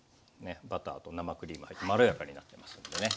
バターと生クリーム入ってまろやかになってますんでね。